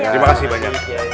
terima kasih banyak